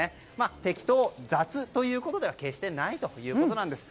てきと、雑ということでは決してないということです。